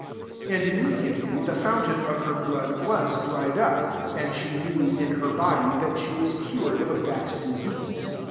89 And immediately, the foun tain of her blood was dried up ; auDd she knew, in her body, that she was cured of that disease.